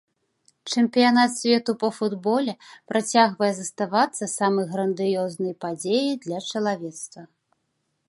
Чэмпіянат свету па футболе працягвае заставацца самай грандыёзнай падзеяй для чалавецтва.